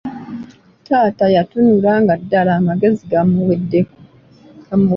Taata yatunula nga ddala amagezi gamuweddemu.